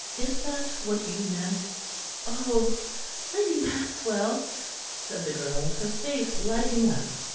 Is that what you meant?" "Oh, Lady Maxwell," said the girl, her face lighting up.